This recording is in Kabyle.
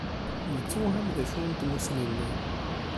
Yettewhem d acu n tmussni-nni.